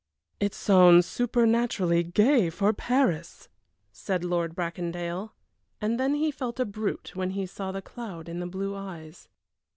"It sounds supernaturally gay for Paris!" said Lord Bracondale; and then he felt a brute when he saw the cloud in the blue eyes.